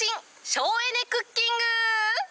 省エネクッキング。